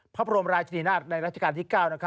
พระบรมราชนีนาฏในราชการที่๙